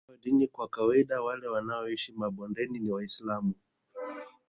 Upande wa dini kwa kawaida wale wanaoishi mabondeni ni Waislamu